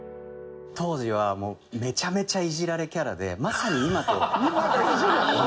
当時はもうめちゃめちゃイジられキャラでまさに今と。